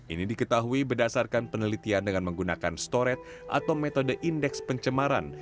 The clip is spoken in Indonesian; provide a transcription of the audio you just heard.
ini diketahui berdasarkan penelitian dengan menggunakan storet atau metode indeks pencemaran